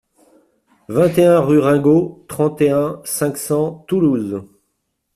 vingt et un rue Ringaud, trente et un, cinq cents, Toulouse